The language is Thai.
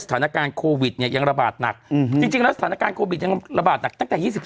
สถานการณ์โควิดเนี่ยยังระบาดหนักจริงแล้วสถานการณ์โควิดยังระบาดหนักตั้งแต่๒๓